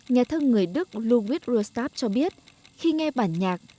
nhà thân người đức ludwig rostock cho biết khi nghe bản nhạc